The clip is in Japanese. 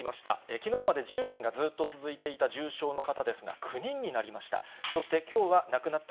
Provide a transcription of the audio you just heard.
きのうまで１０人がずっと続いていた重症の方ですが、９人になりました。